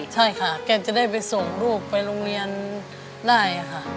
ใช่ค่ะแกจะได้ไปส่งลูกไปโรงเรียนได้ค่ะ